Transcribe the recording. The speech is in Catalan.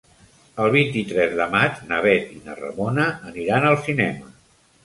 El vint-i-tres de maig na Bet i na Ramona aniran al cinema.